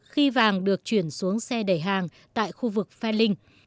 khi vàng được chuyển xuống xe đẩy hàng tại khu vực phe linh